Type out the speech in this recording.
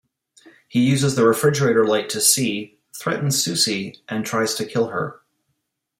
He uses the refrigerator light to see, threatens Susy, and tries to kill her.